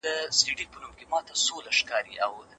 د ارغنداب سیند ترڅنګ د خلکو کلتوري فعالیتونه هم ترسره کېږي.